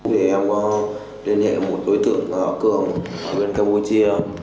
vì em có liên hệ một đối tượng cường ở bên campuchia